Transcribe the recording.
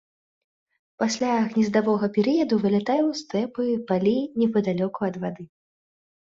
Пасля гнездавога перыяду вылятае ў стэпы, палі непадалёку ад вады.